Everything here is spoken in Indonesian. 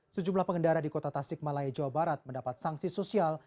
sejumlah pengendara di kota tasik malaya jawa barat mendapat sanksi sosial